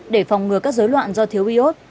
để phòng ngừa các giới loạn do thiếu iốt